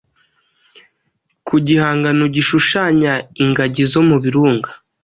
ku gihangano gishushanya ingagi zo mu Birunga